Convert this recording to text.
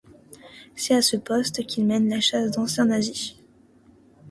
C'est à ce poste qu'il mène la chasse d'anciens nazis.